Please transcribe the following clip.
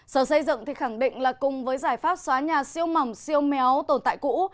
sở xây dựng khẳng định là cùng với giải pháp xóa nhà siêu mỏng siêu méo tồn tại cũ